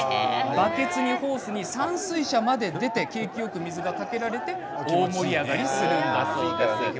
バケツやホース、散水車まで出て景気よく水がかけられて大盛り上がりするそうです。